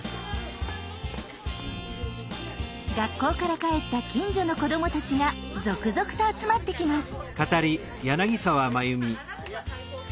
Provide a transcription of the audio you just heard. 学校から帰った近所の子どもたちが続々と集まってきます。